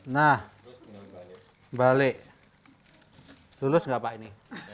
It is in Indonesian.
nah dibalik lulus nggak pak ini